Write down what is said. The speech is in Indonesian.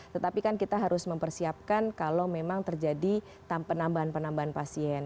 tetapi kan kita harus mempersiapkan kalau memang terjadi penambahan penambahan pasien